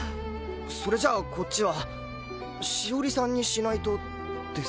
それじゃあこっちは「しおりさん」にしないとですよ。